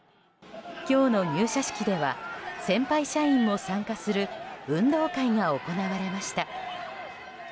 今日の入社式では先輩社員も参加する運動会が行われました。